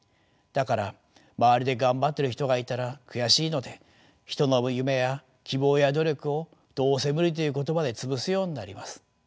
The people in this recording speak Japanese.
だから周りで頑張ってる人がいたら悔しいので人の夢や希望や努力をどうせ無理という言葉で潰すようになります。